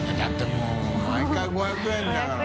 もう毎回５００円だから。